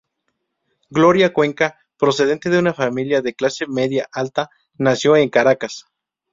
Gloria Cuenca, procedente de una familia de clase media alta, nació en Caracas.